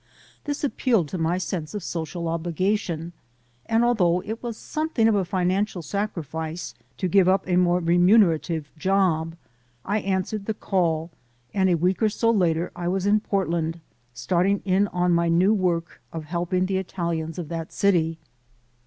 This ap pealed to my sense of social obligation, and although it was something of a financial sacrifice to give up 204 THE SOUL OF AN IMMIGRANT a more remunerative job, I answered the call and a week or so later I was in Portland starting in on my new work of helping the Italians of that city.